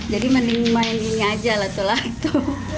jadi mending main ini aja lato lato